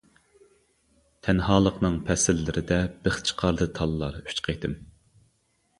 تەنھالىقنىڭ پەسىللىرىدە بىخ چىقاردى تاللار ئۈچ قېتىم.